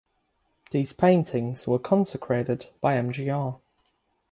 These paintings were consecrated by Mgr.